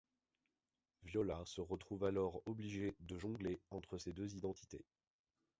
Viola se retrouve alors obligée de jongler entre ses deux identités...